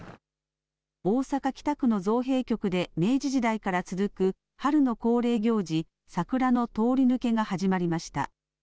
大阪北区の造幣局で明治時代から続く春の恒例行事、桜の通り抜けが始まりました。